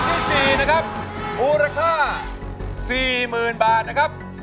เมซที่๔นะครับอุณหาภาพ๔๐๐๐๐บาทนะครับ